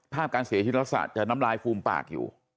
การเสียชีวิตลักษณะจะน้ำลายฟูมปากอยู่